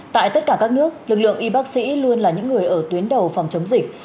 tại tất cả các nước lực lượng y bác sĩ luôn là những người ở tuyến đầu phòng chống dịch